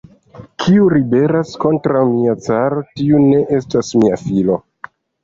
Kiu ribelas kontraŭ mia caro, tiu ne estas mia filo.